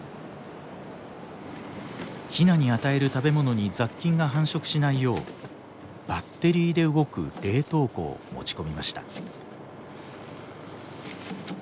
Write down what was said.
ヒナに与える食べ物に雑菌が繁殖しないようバッテリーで動く冷凍庫を持ち込みました。